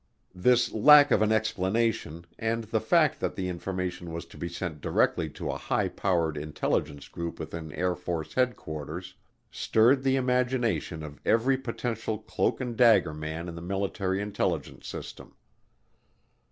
This lack of an explanation and the fact that the information was to be sent directly to a high powered intelligence group within Air Force Headquarters stirred the imagination of every potential cloak and dagger man in the military intelligence system.